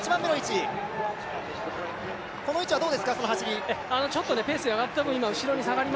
この位置はどうですか、この走り。